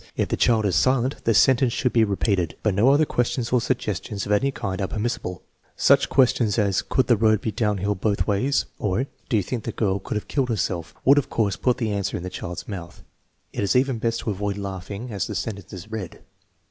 If the child is silent, the sentence should be re 356 THE MEASUREMENT OF INTELLIGENCE peated; but no other questions or suggestions of any kind are permissible* Such questions as " Could the road be downhill both icays? " or, Do you think the girl could have killed herself? " would, of course, put the answer in the child's mouth. It is even best to avoid laughing as the sentence is read.